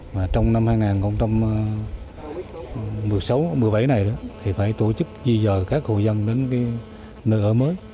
mà trong năm hai nghìn cũng trong mùa sáu mùa bảy này thì phải tổ chức di dời các hội dân đến nơi ở mới